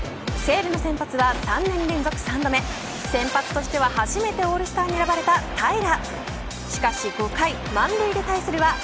西武の先発は３年連続３度目先発としては初めてオールスターに選ばれた平良。